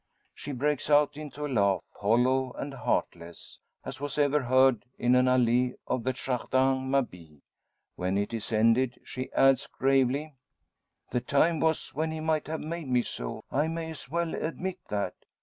She breaks out into a laugh, hollow and heartless, as was ever heard in an allee of the Jardin Mabille. When it is ended she adds gravely: "The time was when he might have made me so; I may as well admit that.